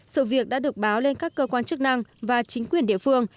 sự việc đã được báo lên các cơ quan chức năng và chính quyền địa phương